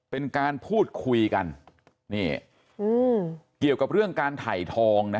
เป็นการพูดคุยกันนี่อืมเกี่ยวกับเรื่องการถ่ายทองนะ